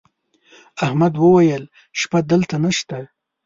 احمد وويل: شپه دلته نشته.